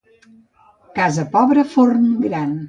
Casa pobra, forn gran.